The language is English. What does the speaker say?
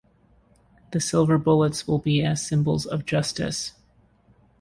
The silver bullets will be as symbols of justice.